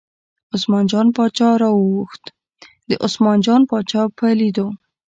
عثمان جان باچا راواوښت، د عثمان جان باچا په لیدو.